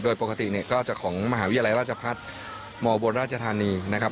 โดยปกติเนี่ยก็จะของมหาวิทยาลัยราชพัฒน์มบลราชธานีนะครับ